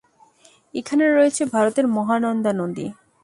এখানে রয়েছে ভারতের মহানন্দা নদী।